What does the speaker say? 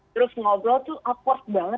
terus ngobrol tuh affort banget